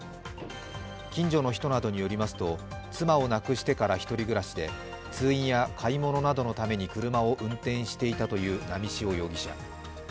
近所の人などによりますと、妻を亡くしてから１人暮らしで、通院や買い物などのために車を運転していたという波汐容疑者。